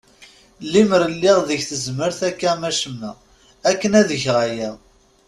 Lemer lliɣ deg tezmert akka am acemma akken ad egeɣ aya.